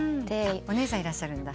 お姉さんいらっしゃるんだ？